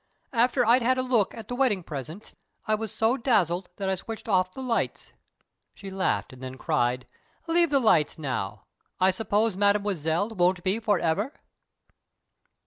"After I'd had a look at the wedding presents, I was so dazzled that I switched off the lights." She laughed, and then cried, "Leave the lights now! I suppose Mademoiselle won't be forever?"